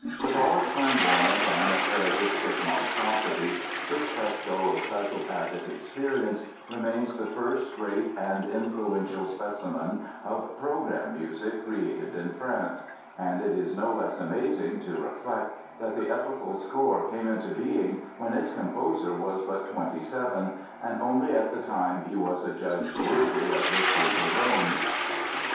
With all its flamboyant and parodistic monstrosities this fresco of psychopathic experience remains the first great and influential specimen of program music created in France; and it is no less amazing to reflect that the epochal score came into being when its composer was but 27 and only at the time he was adjudged worthy of the Prix de Rome.